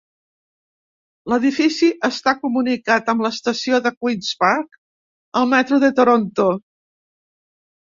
L'edifici està comunicat amb l'estació de Queen's Park al metro de Toronto.